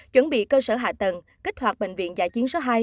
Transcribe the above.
chuẩn bị cơ sở hạ tầng kích hoạt bệnh viện dạ chiến số hai